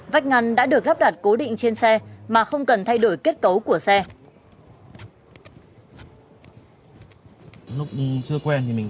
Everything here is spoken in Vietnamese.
vách ngăn đã được lắp đặt cố định trên xe mà không cần thay đổi kết cấu của xe lúc chưa quen thì mình